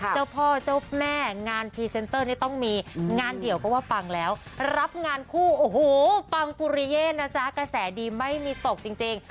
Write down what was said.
เจ้าพ่อเจ้าแม่งานพรีเซนเตอร์นี่ต้องมีงานเดี่ยวก็ว่าฟังแล้วรับงานคู่โอ้โหฟังกุริเย่นะจ๊ะกระแสดีไม่มีตกจริง